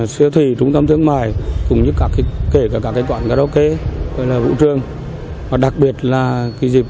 siêu thị trung tâm thương mại cũng như kể cả các cái quản karaoke vũ trương đặc biệt là dịp